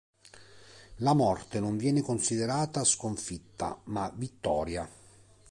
La morte non viene considerata sconfitta ma vittoria.